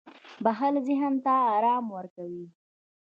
• بښل ذهن ته آرام ورکوي.